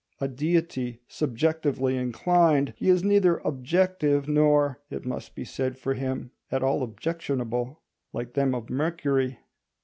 A deity subjectively inclined, he is neither objective nor, it must be said for him, at all objectionable, like them of Mercury.